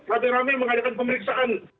rame rame mengadakan pemeriksaan